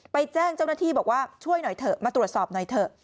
แจ้งเจ้าหน้าที่บอกว่าช่วยหน่อยเถอะมาตรวจสอบหน่อยเถอะ